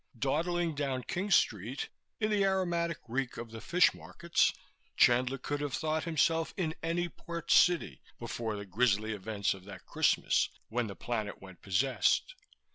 Dawdling down King Street, in the aromatic reek of the fish markets, Chandler could have thought himself in any port city before the grisly events of that Christmas when the planet went possessed.